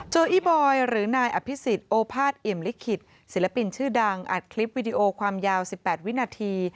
อีบอยหรือนายอภิษฎโอภาษเอี่ยมลิขิตศิลปินชื่อดังอัดคลิปวิดีโอความยาว๑๘วินาที